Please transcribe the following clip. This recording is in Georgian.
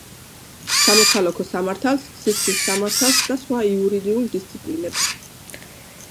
სამოქალაქო სამართალს, სისხლის სამართალს და სხვა იურიდიულ დისციპლინებს.